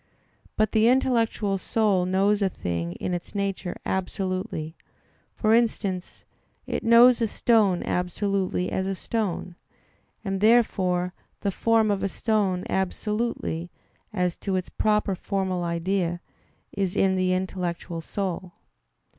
But the intellectual soul knows a thing in its nature absolutely: for instance, it knows a stone absolutely as a stone; and therefore the form of a stone absolutely, as to its proper formal idea, is in the intellectual soul.